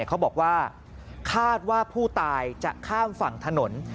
เขาบอกว่าคาดว่าผู้ตายจะข้ามฝั่งถนน